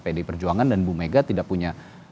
pdi perjuangan dan bu mega tidak punya